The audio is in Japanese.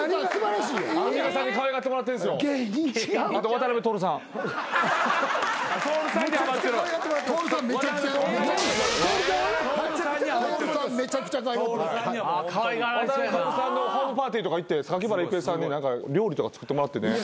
渡辺徹さんのホームパーティーとか行って榊原郁恵さんに料理とか作ってもらってね。